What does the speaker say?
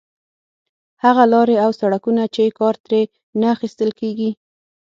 هغه لارې او سړکونه چې کار ترې نه اخیستل کېږي.